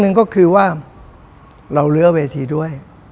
หนึ่งก็คือว่าเราเลื้อเวทีด้วย